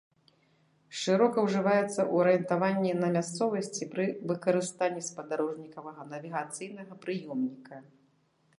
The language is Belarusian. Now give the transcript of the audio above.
Шырока ўжываецца ў арыентаванні на мясцовасці пры выкарыстанні спадарожнікавага навігацыйнага прыёмніка.